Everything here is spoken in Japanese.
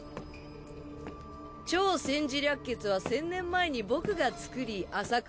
『超・占事略決』は１０００年前に僕が作り麻倉